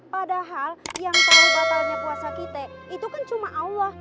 padahal yang tahu batalnya puasa kita itu kan cuma allah